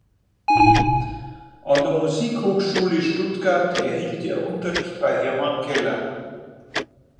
An der Musikhochschule Stuttgart erhielt er Unterricht bei Hermann Keller.